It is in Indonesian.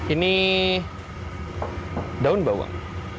ini daun bawang